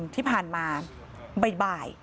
ที่ผ่านมาบ่าย